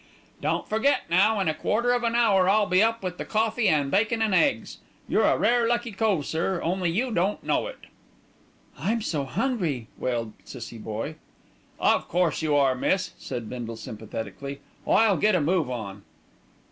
"Don't forget now, in a quarter of an hour, I'll be up with the coffee an' bacon an' eggs. You're a rare lucky cove, sir, only you don't know it." "I'm so hungry," wailed Cissie Boye. "Of course you are, miss," said Bindle sympathetically. "I'll get a move on."